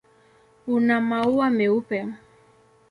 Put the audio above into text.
Una maua meupe.